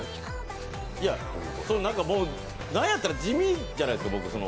いや、なんやったら地味じゃないですか、僕。